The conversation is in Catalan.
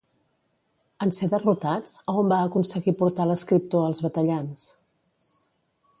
En ser derrotats, a on va aconseguir portar l'escriptor els batallants?